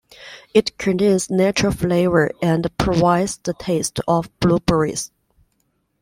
It contains "natural flavor" and provides the "taste" of blueberries.